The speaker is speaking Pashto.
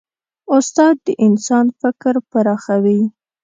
استاد د انسان فکر پراخوي.